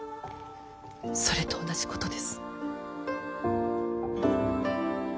それと同じことです。